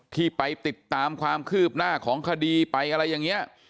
ที่ไปติดตามความคืบหน้าของคดีไปอะไรอย่างนี้